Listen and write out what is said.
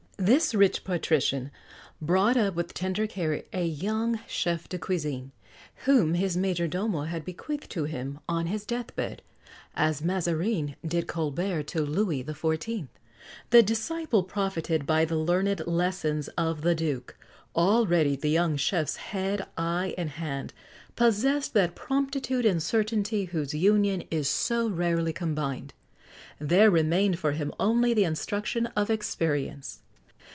This rich patrician brought up with tender care a young chef de cuisine, whom his major domo had bequeathed to him on his death bed, as Mazarin did Colbert to Louis XIV. The disciple profited by the learned lessons of the Duke; already the young chef's head, eye, and hand possessed that promptitude and certainty whose union is so rarely combined: there remained for him only the instruction of experience.